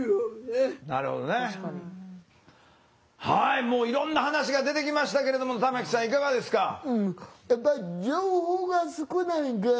はいもういろんな話が出てきましたけれども玉木さんいかがですか？